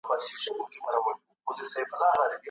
که نجونې جایزه وګټي نو هڅې به نه هیریږي.